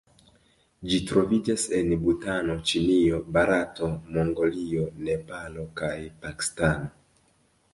Ĝi troviĝas en Butano, Ĉinio, Barato, Mongolio, Nepalo kaj Pakistano.